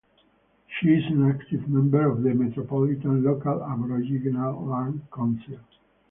She is an active member of the Metropolitan Local Aboriginal Land Council.